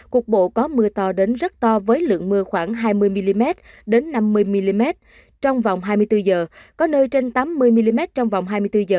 cục bộ có mưa to đến rất to với lượng mưa khoảng hai mươi mm đến năm mươi mm trong vòng hai mươi bốn h có nơi trên tám mươi mm trong vòng hai mươi bốn h